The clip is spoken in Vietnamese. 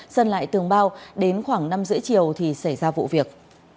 dân lại tường bao đến khoảng năm h ba mươi chiều thì xảy ra vụ việc